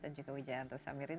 dan juga wejahanto samirin